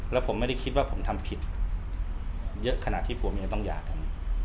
แล้วผมไม่ได้คิดว่าผมทำผิดเยอะขนาดที่ผัวเมียต้องหย่ากัน